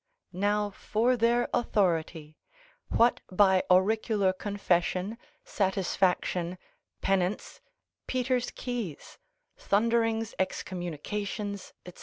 Now for their authority, what by auricular confession, satisfaction, penance, Peter's keys, thunderings, excommunications, &c.